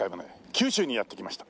九州にやって来ました。